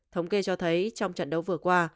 thống kê cho thấy trong trận đấu vừa qua